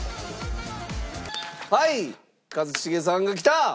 はい一茂さんがきた！